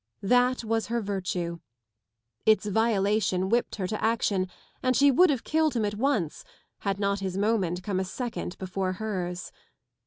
That was her virtue. Its violation whipped her to action and she would have killed him at once, had not his moment come a second before hers.